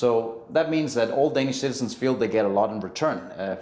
jadi itu berarti semua warga danes merasa mereka mendapatkan banyak keuntungan